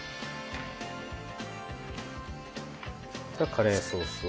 カレーソースを。